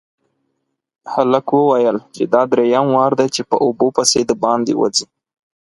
هلک وويل چې دا دريم وار دی چې په اوبو پسې د باندې وځي.